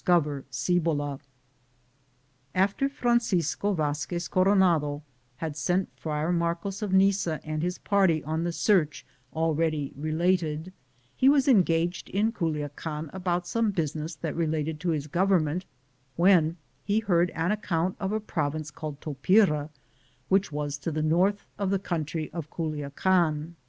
CHAPTER IV After Francisco Vazquez Coronado had sent Friar Marcos of Nice and his party on the search already related, he was engaged in Guliacan about some business that related to his government, when he heard an account am Google THE JOURNEY OP CORONADO of a province called Topira,* which was to the north of the country of Culiacan.